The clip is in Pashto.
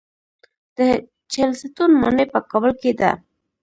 د چهلستون ماڼۍ په کابل کې ده